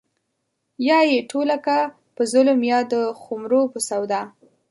يا يې ټوله کا په ظلم يا د خُمرو په سودا